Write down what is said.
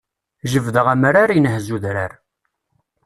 Jebdeɣ amrar, inhez udrar.